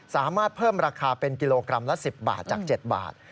สามารถเพิ่มราคาเป็นกิโลกรัมละ๑๐บาทจาก๗บาท